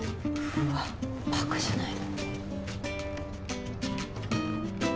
うわっ馬鹿じゃないの。